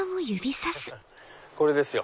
これですよ。